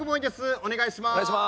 お願いします。